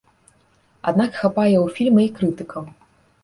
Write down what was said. Аднак хапае ў фільма і крытыкаў.